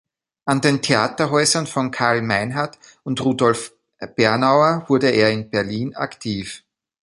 An den Theaterhäusern von Carl Meinhard und Rudolf Bernauer wurde er in Berlin aktiv.